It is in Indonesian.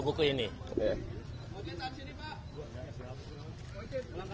bojit saat sini pak